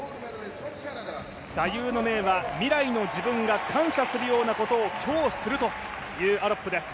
座右の銘は未来の自分が感謝するようなことを今日、するというアロップです。